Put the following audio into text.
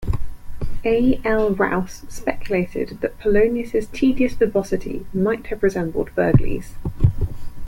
A. L. Rowse speculated that Polonius's tedious verbosity might have resembled Burghley's.